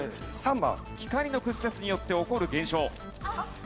光の屈折によって起こる現象。